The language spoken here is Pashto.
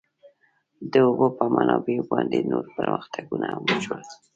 د اوبو په منابعو باندې نور پرمختګونه هم وشول.